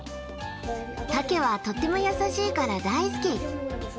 タケはとっても優しいから大好き。